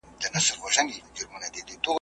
د ځنګله شهنشاه پروت وو لکه مړی ,